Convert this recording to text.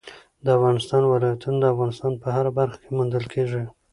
د افغانستان ولايتونه د افغانستان په هره برخه کې موندل کېږي.